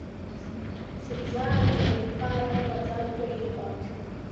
Шьыбжьаанӡагьы хар рымаӡамкәа иҟан.